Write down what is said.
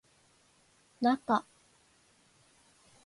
なか